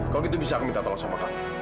kalau gitu bisa aku minta tolong sama kami